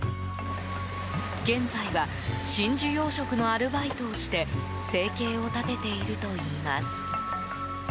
現在は真珠養殖のアルバイトをして生計を立てているといいます。